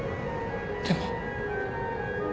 でも。